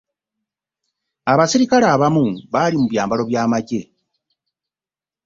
Abaserikale abamu baali mu byambalo by'amagye.